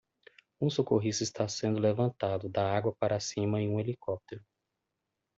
Um socorrista está sendo levantado da água para cima em um helicóptero.